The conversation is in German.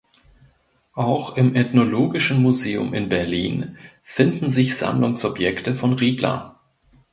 Auch im Ethnologischen Museum in Berlin finden sich Sammlungsobjekte von Rigler.